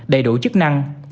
đầy đủ chức năng